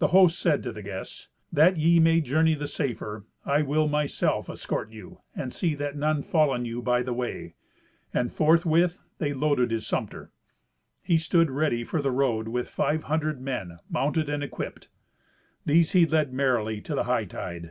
The host said to the guests, "That ye may journey the safer, I will myself escort you, and see that none fall on you by the way." And forthwith they loaded his sumpter. He stood ready for the road with five hundred men, mounted and equipped. These he led merrily to the hightide.